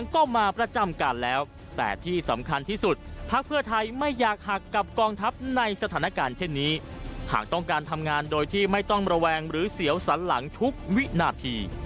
หากต้องการทำงานโดยที่ไม่ต้องระแวงหรือเสียวสันหลังทุกวินาที